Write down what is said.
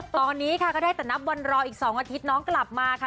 ตอนนี้ค่ะก็ได้แต่นับวันรออีก๒อาทิตย์น้องกลับมาค่ะ